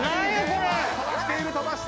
これ！